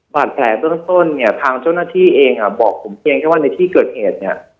บาดแผลต้นเนี่ยทางเจ้าหน้าที่เองบอกผมเพียงแค่ว่าในที่เกิดเหตุเนี่ย